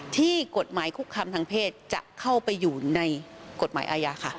ที่กฎหมายคุกคำทางเพศจะเข้าไปอยู่ในกฎหมายอาญาค่ะ